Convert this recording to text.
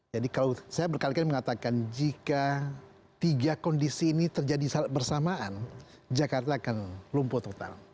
jadi kalau saya berkali kali mengatakan jika tiga kondisi ini terjadi bersamaan jakarta akan lumpuh total